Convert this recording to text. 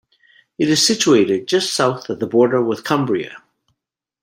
It is situated just south of the border with Cumbria.